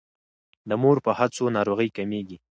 د مور په هڅو ناروغۍ کمیږي.